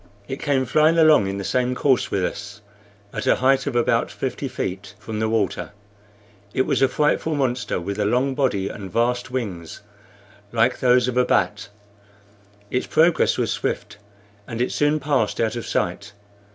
It came flying along in the same course with us, at a height of about fifty feet from the water. It was a frightful monster, with a long body and vast wings like those a bat. Its progress was swift, and it soon passed out of sight.